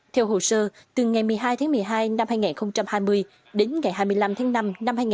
theo hồ sơ từ ngày một mươi hai tháng một mươi hai năm hai nghìn hai mươi đến ngày hai mươi năm tháng năm năm hai nghìn hai mươi